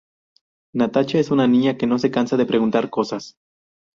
Natacha es una niña que no se cansa de preguntar cosas.